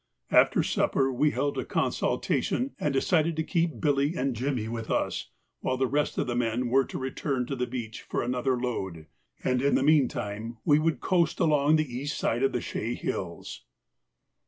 After supper we held a consultation and decided to keep Billy and Jimmy with us while the rest of the men were to return to the beach for another load, and in the meantime we would coast along the east side of the Chaix Hills.